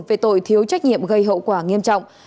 về tội thiếu trách nhiệm gây hậu quả nghiêm trọng